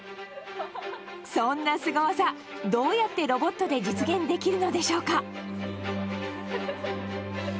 そんなすご技どうやってロボットで実現できるのでしょうか？